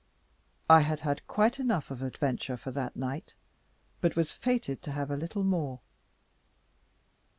I had had quite enough of adventure for that night, but was fated to have a little more.